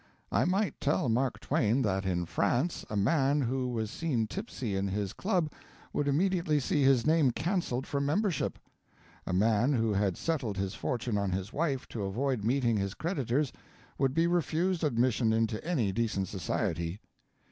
I might tell Mark Twain that in France a man who was seen tipsy in his club would immediately see his name canceled from membership. A man who had settled his fortune on his wife to avoid meeting his creditors would be refused admission into any decent society.